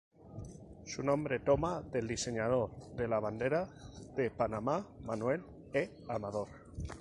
Su nombre toma del diseñador de la bandera de Panamá, Manuel E. Amador.